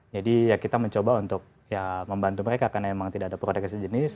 jadi ya kita mencoba untuk ya membantu mereka karena memang tidak ada produk yang sejenis